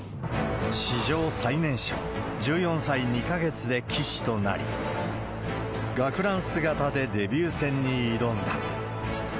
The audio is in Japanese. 史上最年少、１４歳２か月で棋士となり、学ラン姿でデビュー戦に挑んだ。